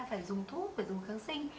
phải dùng thuốc phải dùng kháng sinh